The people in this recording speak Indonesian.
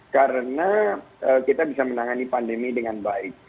karena kita bisa menangani pandemi dengan baik